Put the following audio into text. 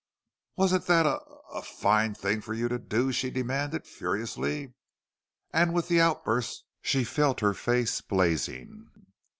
"Wasn't that a a fine thing for you to do?" she demanded, furiously. And with the outburst she felt her face blazing.